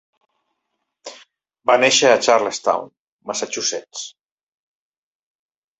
Va nàixer a Charlestown, Massachusetts.